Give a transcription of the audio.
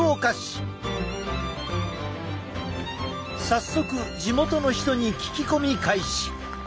早速地元の人に聞き込み開始。